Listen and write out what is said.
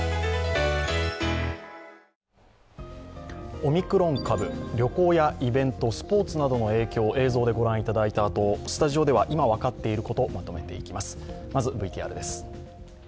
オミクロン株、旅行やイベント、スポーツなどの影響を映像で御覧いただいたあと、スタジオでは今分かっていることをまとめていきます。